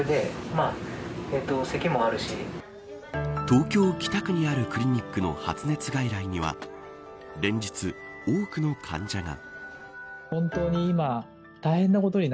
東京、北区にあるクリニックの発熱外来には連日、多くの患者が。